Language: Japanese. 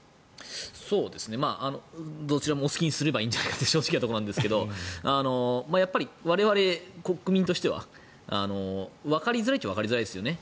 どちらもお好きにすればいいんじゃないでしょうかというところが正直なところなんですが我々国民としてはわかりづらいっちゃわかりづらいですよね。